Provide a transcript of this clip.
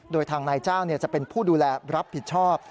โดยทางนายจ้างจะเป็นผู้ดูแลรับผิดชอบ